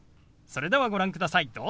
それではご覧ください。